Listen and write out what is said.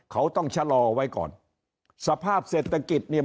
เขาต้องชะลอไว้ก่อนสภาพเศรษฐกิจเนี่ย